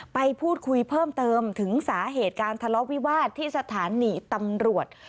ไปพูดคุยเพิ่มเติมถึงสาเหตุการทะเลาะวิวาสที่สถานีตำรวจ